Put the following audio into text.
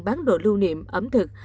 bán đồ lưu niệm ẩm thực